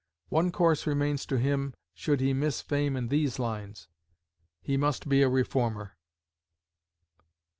One course remains to him should he miss fame in these lines. He must be a reformer.